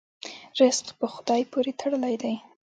رزق په خدای پورې تړلی دی.